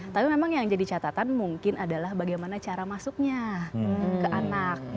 tapi memang yang jadi catatan mungkin adalah bagaimana cara masuknya ke anak